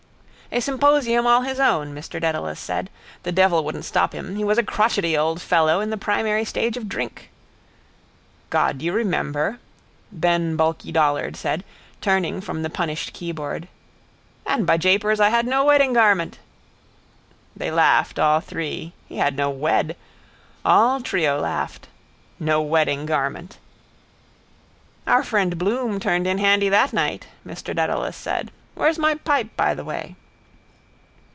—A symposium all his own, Mr Dedalus said. The devil wouldn't stop him. He was a crotchety old fellow in the primary stage of drink. —God, do you remember? Ben bulky Dollard said, turning from the punished keyboard. And by Japers I had no wedding garment. They laughed all three. He had no wed. All trio laughed. No wedding garment. —Our friend Bloom turned in handy that night, Mr Dedalus said. Where's my pipe, by the way?